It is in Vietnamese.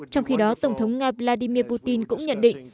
trong khi đó tổng thống nga vladimir putin cũng nhận định